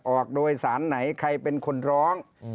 ออกโดยสารไหนใครเป็นคนร้อง